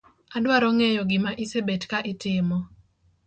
Adwaro ng'eyo gima isebet ka itimo